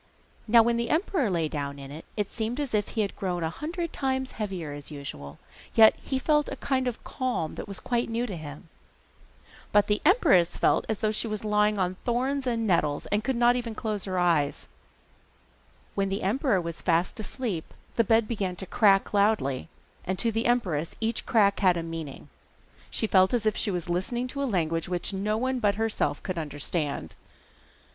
Now when the emperor lay down in it he seemed as if he had grown a hundred times heavier than usual, yet he felt a kind of calm that was quite new to him. But the empress felt as if she was lying on thorns and nettles, and could not close her eyes. When the emperor was fast asleep, the bed began to crack loudly, and to the empress each crack had a meaning. She felt as if she were listening to a language which no one but herself could understand.